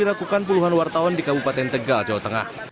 dilakukan puluhan wartawan di kabupaten tegal jawa tengah